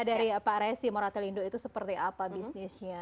dari pak resi moratelindo itu seperti apa bisnisnya